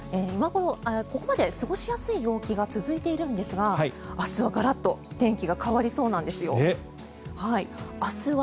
ここまで過ごしやすい陽気が続いているんですが明日はがらっと天気が変わりそうなんです。